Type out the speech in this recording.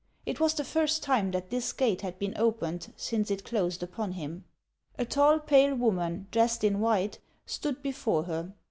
It was the first time that this gate had been opened since it closed upon him. A tall, pale woman, dressed in white, stood before her.